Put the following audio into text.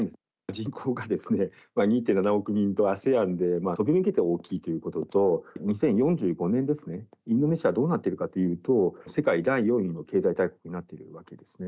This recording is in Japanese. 人口が２．７億人と、ＡＳＥＡＮで飛び抜けて大きいということと、２０４５年ですね、インドネシアどうなってるかというと、世界第４位の経済大国になってるわけですね。